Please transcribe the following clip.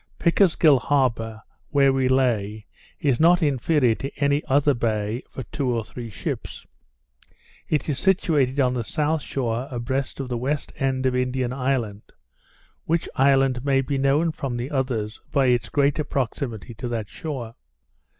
Pickersgill Harbour, where we lay, is not inferior to any other bay, for two or three ships: It is situated on the south shore abreast of the west end of Indian island; which island may be known from the others by its greater proximity to that shore.